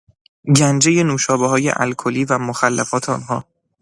گنجهی نوشابههای الکلی و مخلفات آنها